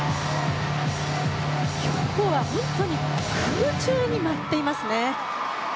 今日は本当に空中に舞っていますね。